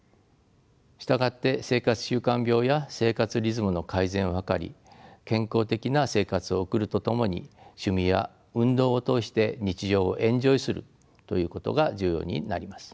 従って生活習慣病や生活リズムの改善を図り健康的な生活を送るとともに趣味や運動を通して日常をエンジョイするということが重要になります。